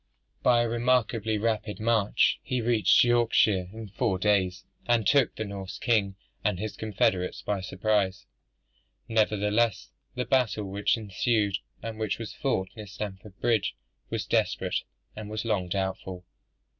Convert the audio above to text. By a remarkably rapid, march, he reached Yorkshire in four days, and took the Norse king and his confederates by surprise. Nevertheless, the battle which ensued, and which was fought near Stamford Bridge, was desperate, and was long doubtful.